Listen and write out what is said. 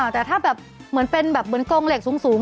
แต่ถ้าแบบเหมือนเป็นแบบเหมือนกรงเหล็กสูง